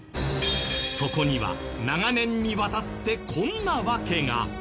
そこには長年にわたってこんな訳が。